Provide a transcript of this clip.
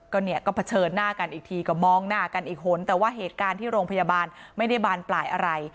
ก็เนี่ยก็เผชิญหน้ากันอีกทีก็มองหน้ากันอีกหนแต่ว่าเหตุการณ์ที่โรงพยาบาลไม่ได้บานปลายอะไร